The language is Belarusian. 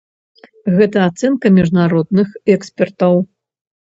Гэта ацэнка міжнародных экспертаў.